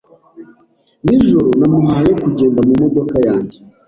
Nijoro namuhaye kugenda mumodoka yanjye.